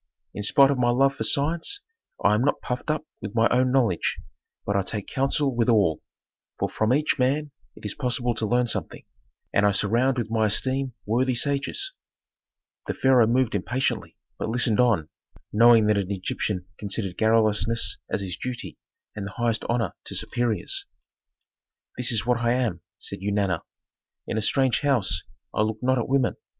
In spite of my love for science I am not puffed up with my own knowledge, but I take counsel with all, for from each man it is possible to learn something, and I surround with my esteem worthy sages " The pharaoh moved impatiently, but listened on, knowing that an Egyptian considered garrulousness as his duty and the highest honor to superiors. "This is what I am," said Eunana. "In a strange house I look not at women.